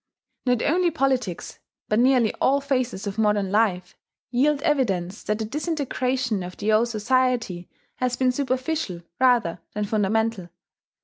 Not only politics, but nearly all phases of modern life, yield evidence that the disintegration of the old society has been superficial rather than fundamental.